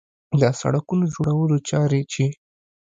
د سړکونو جوړولو چارې چې